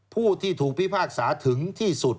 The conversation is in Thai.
ผู้ที่ถูกพิพากษาถึงที่สุด